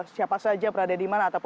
siapa saja berada di mana